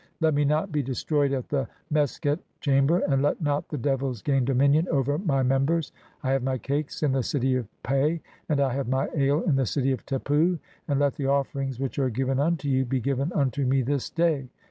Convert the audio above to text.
Let me not be destroyed at the "Mesqet chamber, and let not the devils gain dominion over "my members. I have my cakes (35) in the city of Pe, and I "have my ale in the city of Tepu, and let the offerings [which "are given unto you] be given unto me this day.